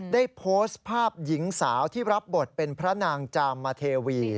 ได้โพสต์ภาพหญิงสาวที่รับบทเป็นพระนางจามเทวี